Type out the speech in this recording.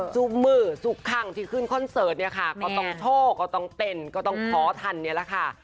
มือซุกคั่งที่ขึ้นคอนเสิร์ตเนี่ยค่ะก็ต้องโชคก็ต้องเต้นก็ต้องขอทันเนี่ยแหละค่ะ